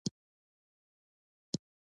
وحشي حیوانات د افغان ماشومانو د زده کړې موضوع ده.